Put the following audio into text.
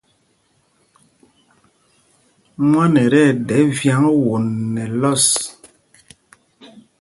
Mwân ɛ tí ɛɗɛ vyǎŋ won nɛ lɔs.